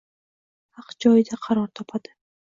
Haq joyida qaror topadi.